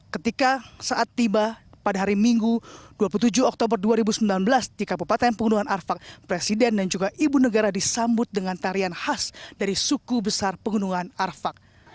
ketika saat tiba pada hari minggu dua puluh tujuh oktober dua ribu sembilan belas di kabupaten pegunungan arfak presiden dan juga ibu negara disambut dengan tarian khas dari suku besar pegunungan arfak